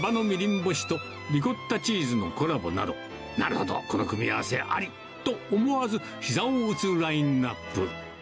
干しとリコッタチーズのコラボなど、なるほど、この組み合わせありと、思わずひざを打つラインナップ。